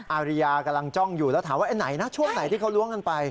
อาริยากำลังจ้องอยู่แล้วถามว่าไอ้ไหนนะช่วงไหนที่เขาล้วงกันไป